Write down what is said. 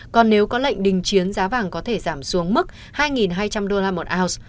còn nếu có lệnh đình chiến giá vàng có thể giảm xuống mức hai hai trăm linh đô la một ounce